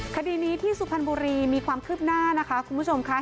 คดีนี้ที่สุพรรณบุรีมีความคืบหน้านะคะคุณผู้ชมค่ะ